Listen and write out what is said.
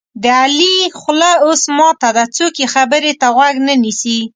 د علي خوله اوس ماته ده څوک یې خبرې ته غوږ نه نیسي.